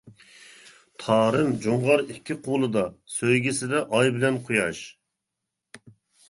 تارىم، جۇڭغار ئىككى قۇلىدا، سۆيگۈسىدە ئاي بىلەن قۇياش.